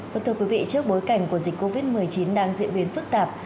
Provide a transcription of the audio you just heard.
vâng thưa quý vị trước bối cảnh của dịch covid một mươi chín đang diễn biến phức tạp